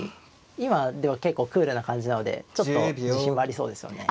今でも結構クールな感じなのでちょっと自信もありそうですよね。